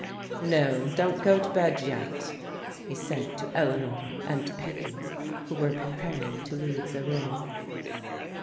" No, don't go to bed yet," he said to Eleanor and Peggy, who were preparing to leave the room.